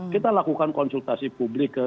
kita lakukan konsultasi publik ke